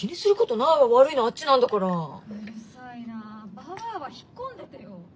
ババアは引っ込んでてよ！